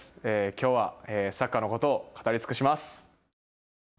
きょうはサッカーのことを語り尽くします。